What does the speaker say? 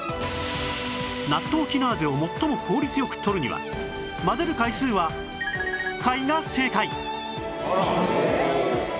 ナットウキナーゼを最も効率よくとるには混ぜる回数は回が正解